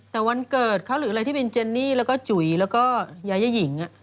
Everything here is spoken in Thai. แต่วันเกิดเขาหรืออะไรที่เป็นเจนนี่แล้วก็จุ๋ยแล้วก็ยายาหญิง